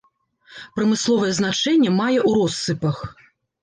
Прамысловае значэнне мае ў россыпах.